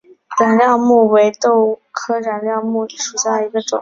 染料木为豆科染料木属下的一个种。